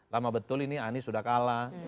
lama betul ini anies sudah kalah